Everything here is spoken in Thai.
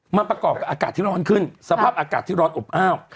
มันประกอบกับอากาศที่ร้อนขึ้นสภาพอากาศที่ร้อนอบอ้าว